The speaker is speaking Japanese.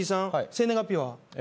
生年月日は？